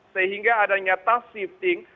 sehingga adanya task shifting